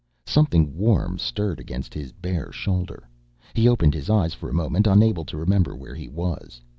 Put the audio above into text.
Something warm stirred against his bare shoulder. He opened his eyes, for a moment unable to remember where he was.